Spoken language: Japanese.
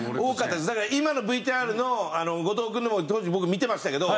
だから今のＶＴＲの後藤君のも当時僕見てましたけど。